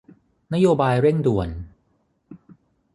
นโยบายเร่งด่วน